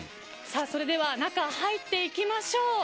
それでは中に入っていきましょう。